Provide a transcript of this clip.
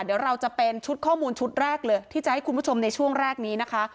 เดี๋ยวเราจะเป็นชุดข้อมูลชุดแรกเลยที่จะให้คุณผู้ชมในช่วงแรกนี้นะคะ